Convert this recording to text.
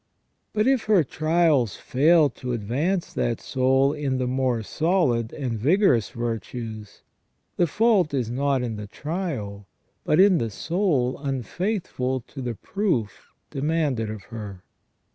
But if her trials fail to advance that soul in the more solid and vigorous virtues, the fault is not in the trial, but in the soul unfaithful to the proof demanded of her.